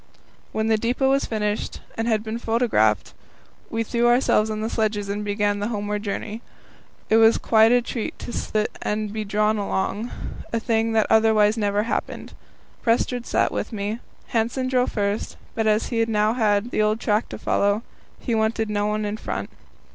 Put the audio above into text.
When the depot was finished and had been photographed, we threw ourselves on the sledges and began the homeward journey. It was quite a treat to sit and be drawn along, a thing that otherwise never happened. Prestrud sat with me. Hanssen drove first, but as he now had the old track to follow, he wanted no one in front.